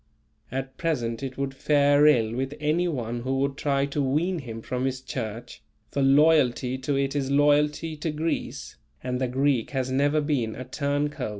At present it would fare ill with any one who would try to wean him from his Church; for loyalty to it is loyalty to Greece, and the Greek has never been a turn coat.